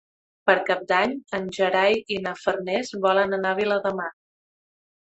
Per Cap d'Any en Gerai i na Farners volen anar a Viladamat.